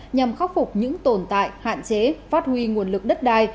nhằm khắc phục những tồn tại hạn chế phát huy nguồn lực đất đai